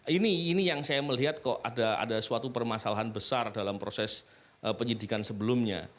ini ini yang saya melihat kok ada suatu permasalahan besar dalam proses penyidikan sebelumnya